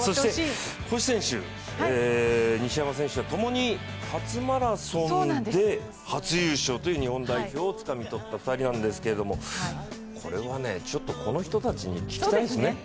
そして星選手、西山選手ともに初マラソンで初優勝という日本代表をつかみ取った２人なんですけどこれはこの人たちに聞きたいですね。